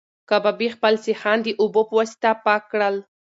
کبابي خپل سیخان د اوبو په واسطه پاک کړل.